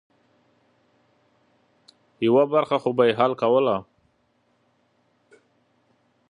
یوه برخه خو به یې حل کوله.